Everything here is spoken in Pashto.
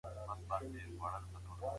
هومر یوه افسانوي ټولنه تشریح کړه.